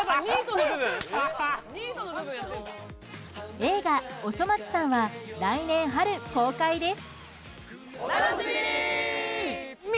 映画「おそ松さん」は来年春、公開です。